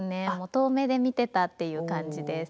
遠目で見てたっていう感じです。